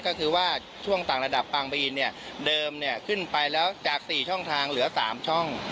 ก็คือว่าช่วงต่างระดับปางบีนเนี่ยเดิมเนี่ยขึ้นไปแล้วจาก๔ช่องทางเหลือ๓ช่อง